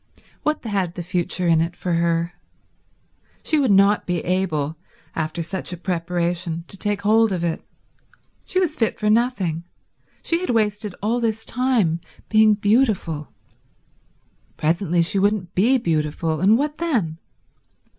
What had the future in it for her? She would not be able, after such a preparation, to take hold of it. She was fit for nothing; she had wasted all this time being beautiful. Presently she wouldn't be beautiful, and what then?